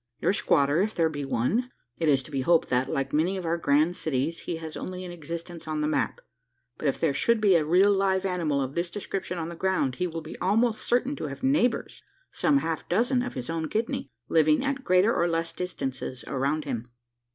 Your squatter, if there be one it is to be hoped that, like many of our grand cities, he has only an existence on the map but if there should be a real live animal of this description on the ground, he will be almost certain to have neighbours some half dozen of his own kidney living at greater or less distances around him.